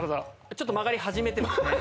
ちょっと曲がり始めてますね。